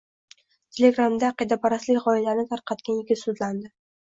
Telegrammda aqidaparastlik g‘oyalarini tarqatgan yigit sudlandi